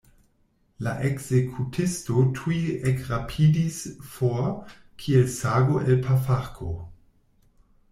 La ekzekutisto tuj ekrapidis for, kiel sago el pafarko.